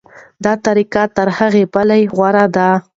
دا طریقه تر هغې بلې غوره ده.